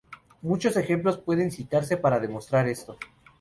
Muchos ejemplos pueden citarse para demostrar esto.